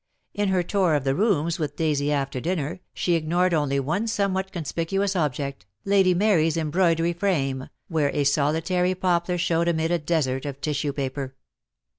In her tour of the rooms with Daisy after dinner, she ignored only one somewhat conspicuous object, Lady Mary's embroidery frame, where a solitary poplar showed amid a desert of tissue paper.